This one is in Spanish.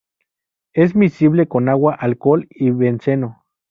Es miscible con agua, alcohol y benceno.